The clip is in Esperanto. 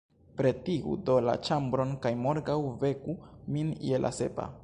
Pretigu do la ĉambron kaj morgaŭ veku min je la sepa.